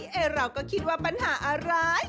เราก็คิดว่าปัญหาอะไร